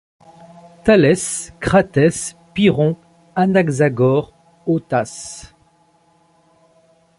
Thalès, Cratès, Pyrrhon, Anaxagore, ô tas